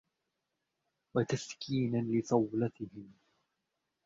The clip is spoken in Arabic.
وَتَسْكِينًا لِصَوْلَتِهِمْ